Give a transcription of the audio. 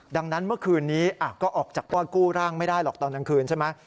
ดังนั้นเมื่อคืนนี้ก็ออกจากว่ากู้ร่างไม่ได้หรอกตอนกลางคืนใช่ไหม